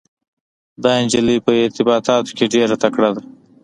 دا انجلۍ په ارتباطاتو کې دومره تکړه ده.